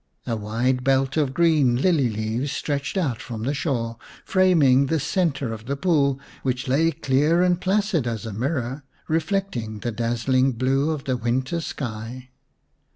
A wide belt of green lily leaves stretched out from the shore, framing the centre of the pool, which lay clear and placid as a mirror, reflecting the dazzling blue of the winter sky.